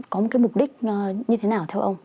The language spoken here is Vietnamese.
có một cái mục đích như thế nào theo ông